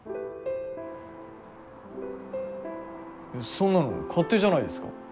そんなの勝手じゃないですか。